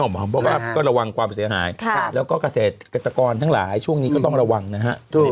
เพราะว่าก็ระวังความเสียหายแล้วก็เกษตรกรทั้งหลายช่วงนี้ก็ต้องระวังนะฮะ